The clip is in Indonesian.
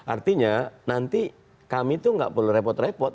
artinya nanti kami tuh gak perlu repot repot